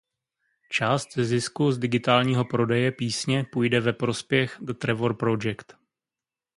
Část ze zisku z digitálního prodeje písně půjde ve prospěch The Trevor Project.